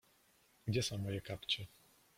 Gdzie są moje kapcie?